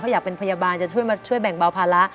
อยากเป็นพยาบาลจะช่วยมาช่วยแบ่งเบาภาระ